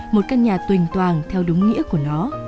một căn nhà tình toàn theo đúng nghĩa của nó